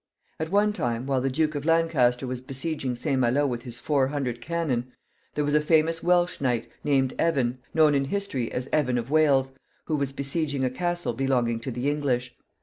At one time, while the Duke of Lancaster was besieging St. Malo with his four hundred cannon, there was a famous Welsh knight, named Evan, known in history as Evan of Wales, who was besieging a castle belonging to the English.